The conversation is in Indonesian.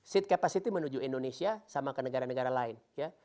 seed capacity menuju indonesia sama ke negara negara lain